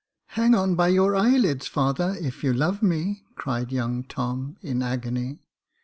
" Hang on by your eyelids, father, if you love me," cried young Tom, in agony.